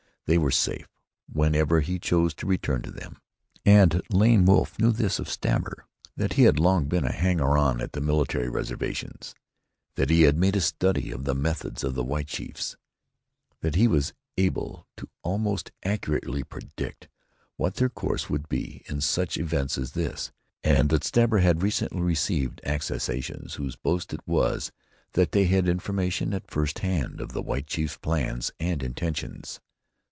They were safe whenever he chose to return to them, and Lame Wolf knew this of Stabber that he had long been a hanger on about the military reservations, that he had made a study of the methods of the white chiefs, that he was able to almost accurately predict what their course would be in such event as this, and that Stabber had recently received accessions whose boast it was that they had information at first hand of the white chief's plans and intentions.